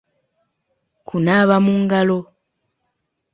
Kunaaba mu ngalo.